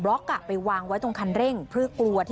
พ่อคงเอาก้อนอิดไปถ่วงไว้ตรงคันเร่งจั๊มแบบนี้